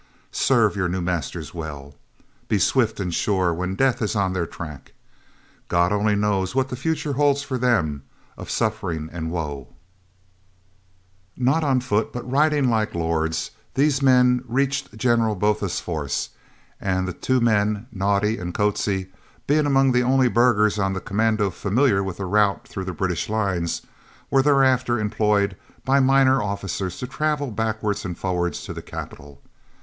Serve your new masters well. Be swift and sure when Death is on their track. God only knows what the future holds for them of suffering and woe. Not on foot, but riding like lords, these men reached General Botha's force, and the two men Naudé and Coetzee, being among the only burghers on commando familiar with the route through the British lines, were thereafter employed by minor officers to travel backwards and forwards to the capital.